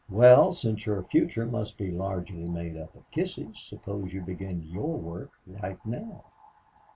"Well, since your future must be largely made up of kisses, suppose you begin your work right now."